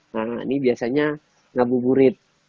nah ini biasanya ngabuburit